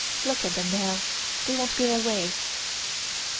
Look at them now. They won't go away."